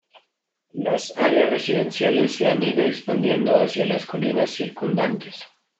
Las áreas residenciales se han ido expandiendo hacia las colinas circundantes.